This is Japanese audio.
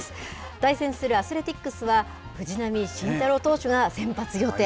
対戦するアスレティックスは藤浪晋太郎投手が先発予定。